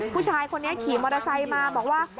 ผู้ชายคนนี้ขี่มอเตอร์ไซค์มาบอกว่า